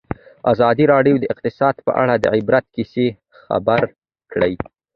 ازادي راډیو د اقتصاد په اړه د عبرت کیسې خبر کړي.